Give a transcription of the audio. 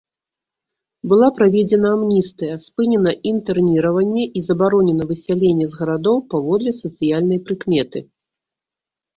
Была праведзена амністыя, спынена інтэрніраванне і забаронена высяленне з гарадоў паводле сацыяльнай прыкметы.